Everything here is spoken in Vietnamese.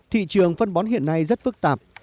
thị trường phân bón hiện nay rất phức tạp